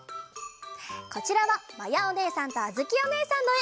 こちらはまやおねえさんとあづきおねえさんのえ！